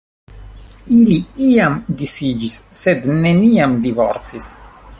Ili iam disiĝis, sed neniam divorcis.